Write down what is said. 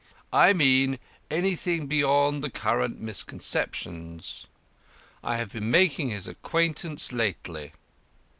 I mean anything beyond the current misconceptions? I have been making his acquaintance lately.